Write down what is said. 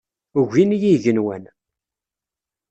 Ugin-iyi yigenwan.